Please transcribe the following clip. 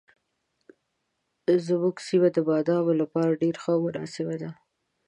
زموږ سیمه د بادامو لپاره ډېره ښه او مناسبه ده.